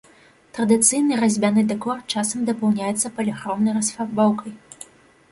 Традыцыйны разьбяны дэкор часам дапаўняецца паліхромнай расфарбоўкай.